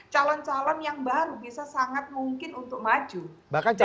calon calon yang baru bisa sangat mungkin untuk maju